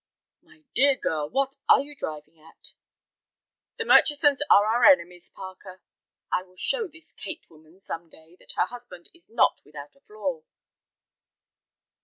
"My dear girl, what are you driving at?" "The Murchisons are our enemies, Parker. I will show this Kate woman some day that her husband is not without a flaw."